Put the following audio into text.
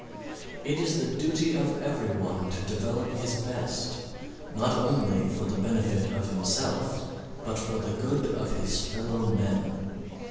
It is the duty of every one to develop his best, not only for the benefit of himself but for the good of his fellow men.